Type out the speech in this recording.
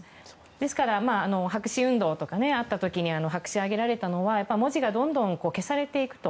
ですから、白紙運動とかあった時白紙をあげられたのは文字がどんどん消されていくと。